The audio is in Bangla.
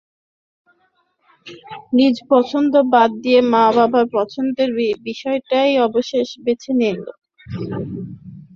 নিজ পছন্দ বাদ দিয়ে মা-বাবার পছন্দের বিষয়টাই অবশেষে বেছে নিলেন বিশ্ববিদ্যালয়জীবনে।